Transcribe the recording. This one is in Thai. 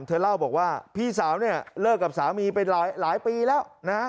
เธอเล่าบอกว่าพี่สาวเนี่ยเลิกกับสามีไปหลายปีแล้วนะ